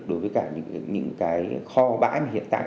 đối với những kho bãi hiện tại